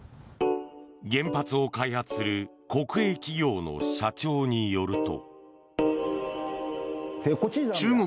原発を開発する国営企業の社長によると。